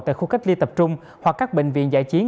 tại khu cách ly tập trung hoặc các bệnh viện giải chiến